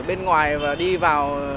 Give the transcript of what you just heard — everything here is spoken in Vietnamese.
bên ngoài và đi vào